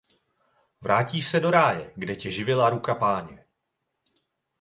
Vrátíš se do ráje, kde tě živila ruka Páně.